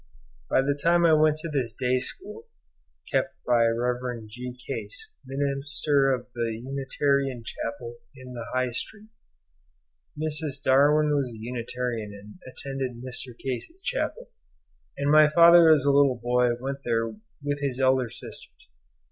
By the time I went to this day school (Kept by Rev. G. Case, minister of the Unitarian Chapel in the High Street. Mrs. Darwin was a Unitarian and attended Mr. Case's chapel, and my father as a little boy went there with his elder sisters.